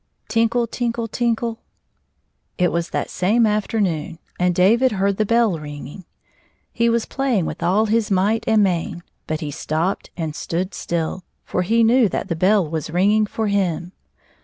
Tinkle tinkle tinkle! It was that same after noon, and David heard the bell ringing. He was playing with all his might and main, but he stopped and stood still, for he knew that the bell was ringing for him.